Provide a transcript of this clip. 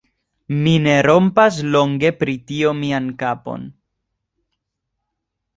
Mi ne rompas longe pri tio mian kapon.